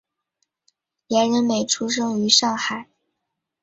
严仁美出生于上海。